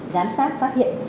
giám sát phát triển tài khoản